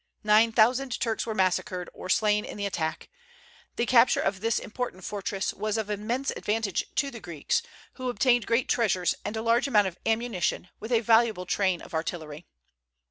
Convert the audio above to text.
Nine thousand Turks were massacred, or slain in the attack. The capture of this important fortress was of immense advantage to the Greeks, who obtained great treasures and a large amount of ammunition, with a valuable train of artillery.